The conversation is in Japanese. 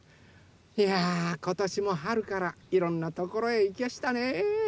いやことしもはるからいろんなところへいきやしたね。